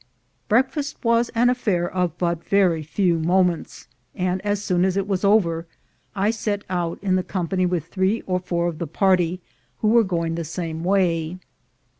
Breakfast was an affair of but very few moments, and as soon as it was over, I set out in company with three or four of the party, who were going the same way.